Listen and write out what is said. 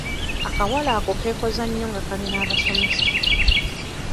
Akawala ako keekoza nnyo nga kali n'abasomesa.